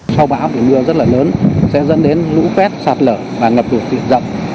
sau bão thì mưa rất là lớn sẽ dẫn đến lũ phét sọt lở và ngập tụt tiện dập